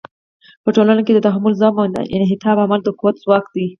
په ټولنو کې د تحمل، زغم او انعطاف عمل د قوت ځواک دی.